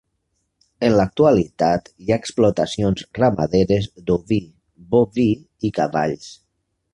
En l'actualitat hi ha explotacions ramaderes d'oví, boví i cavalls.